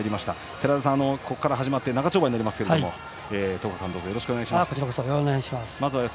寺田さん、ここから始まって長丁場になりますが１０日間、どうぞよろしくお願いします。